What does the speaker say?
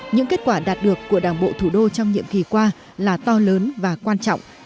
những kết quả đạt được của đảng bộ thủ đô trong nhiệm kỳ qua là to lớn và quan trọng